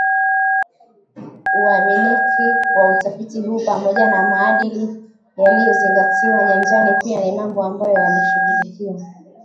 Uaminiki wa utafiti huu pamoja na maadili yaliyozingatiwa nyanjani pia ni mambo ambayo yameshughulikiwa